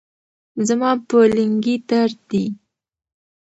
زما په لنګې درد دي